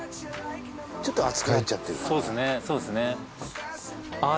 ちょっと厚くなっちゃってるかなそうすねああ